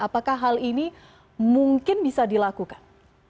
apakah hal ini mungkin bisa dilakukan